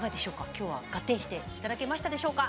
今日はガッテンして頂けましたでしょうか？